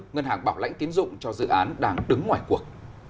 ngân hàng bảo lãnh tiến dụng cho dự án đang đứng ngoài cuộc